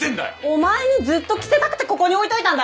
お前にずっと着せたくてここに置いといたんだろ！